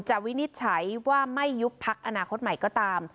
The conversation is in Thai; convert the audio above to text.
วินิจฉัยว่าไม่ยุบพักอนาคตใหม่ก็ตาม